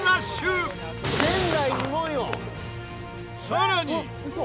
さらに！